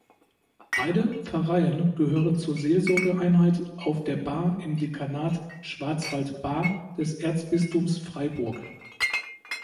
Beide Pfarreien gehören zur Seelsorgeeinheit Auf der Baar im Dekanat Schwarzwald-Baar des Erzbistums Freiburg.